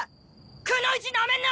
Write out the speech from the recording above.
くノ一なめんな！